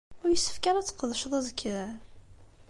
Ur yessefk ara ad tqedceḍ azekka?